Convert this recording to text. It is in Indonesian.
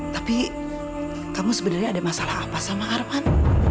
tapi kamu sebenarnya ada masalah apa sama arman